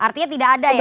artinya tidak ada ya